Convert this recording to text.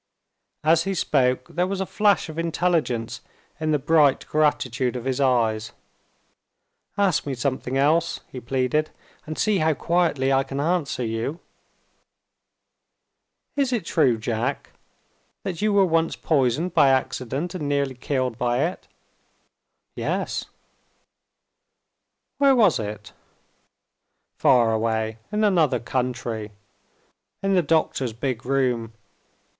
As he spoke, there was a flash of intelligence in the bright gratitude of his eyes. "Ask me something else," he pleaded; "and see how quietly I can answer you." "Is it true, Jack, that you were once poisoned by accident, and nearly killed by it?" "Yes!" "Where was it?" "Far away in another country. In the doctor's big room.